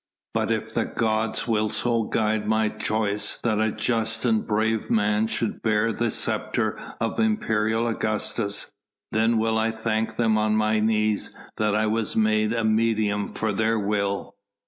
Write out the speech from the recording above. But if the gods will so guide my choice that a just and brave man shall bear the sceptre of imperial Augustus, then will I thank them on my knees that I was made a medium for their will."